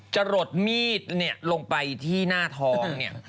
จะหลดมีดลงไปที่หน้าท้อง